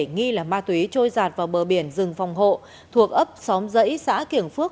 nghi là ma túy trôi giạt vào bờ biển rừng phòng hộ thuộc ấp xóm dãy xã kiểng phước